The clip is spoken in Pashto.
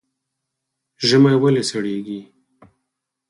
ژمی ولې سړیږي؟